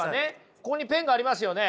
ここにペンがありますよね。